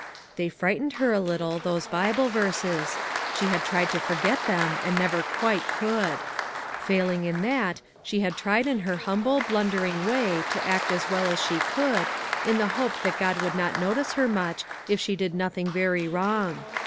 They frightened her a little, those Bible verses ; she had tried to forget them and never quite could. Failing in that, she had tried in her humble, blundering way to act as well as she could, in the hope that God would not notice her much if she did nothing very wrong.